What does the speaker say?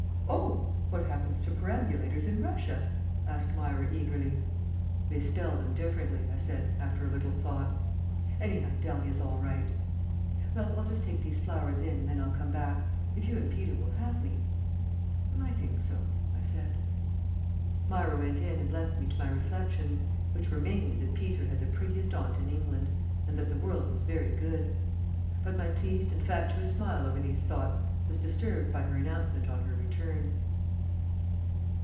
"Oh, what happens to perambulators in Russia?" asked Myra eagerly. "They spell them differently," I said, after a little thought. "Anyhow, Dahlia's all right." "Well, I'll just take these flowers in and then I'll come back. If you and Peter will have me?" "I think so," I said. Myra went in and left me to my reflections, which were mainly that Peter had the prettiest aunt in England, and that the world was very good. But my pleased and fatuous smile over these thoughts was disturbed by her announcement on her return.